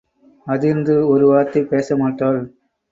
அதிர்ந்து ஒரு வார்த்தை பேசமாட்டாள்.